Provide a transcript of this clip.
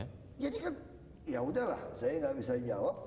jadi kan ya udahlah saya nggak bisa jawab